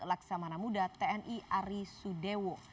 laksamana muda tni ari sudewo